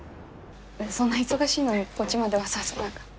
そんな忙しいのにこっちまでわざわざ何か。